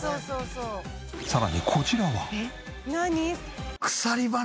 さらにこちらは。